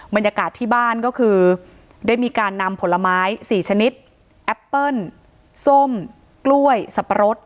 บรรยากาศที่บ้านก็คือได้มีการนำผลไม้๔ชนิดแอปเปิ้ลส้มกล้วยสับปะรด